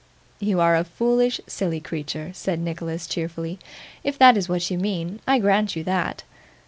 'You are a foolish, silly creature,' said Nicholas cheerfully. 'If that is what you mean, I grant you that.